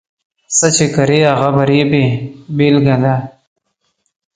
څه چې کرې، هغه به رېبې بېلګه ده.